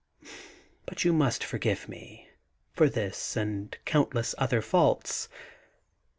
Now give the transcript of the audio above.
But you must forgive me for this and countless other faults.